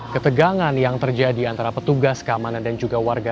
ketegangan yang terjadi antara petugas keamanan dan juga warga